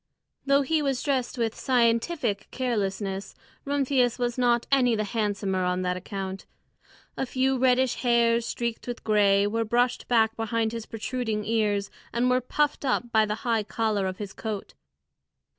Though he was dressed with scientific carelessness, Rumphius was not any the handsomer on that account. A few reddish hairs, streaked with gray, were brushed back behind his protruding ears, and were puffed up by the high collar of his coat.